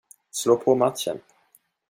Slå på matchen.